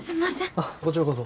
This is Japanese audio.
あっこちらこそ。